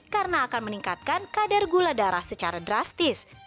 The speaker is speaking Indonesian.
karena akan meningkatkan kadar gula darah secara drastis